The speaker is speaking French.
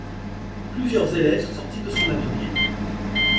Plusieurs élèves sont sortis de son atelier.